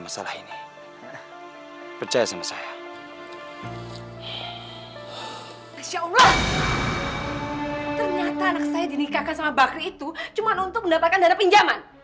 insya allah ternyata anak saya dinikahkan sama bakri itu cuma untuk mendapatkan dana pinjaman